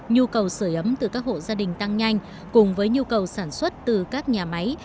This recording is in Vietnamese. nhu cầu sửa ấm từ các hộ gia đình tăng nhanh cùng với nhu cầu sản xuất từ các nhà máy